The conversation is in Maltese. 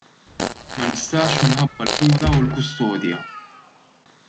Ma nistax minħabba l-kura u l-kustodja.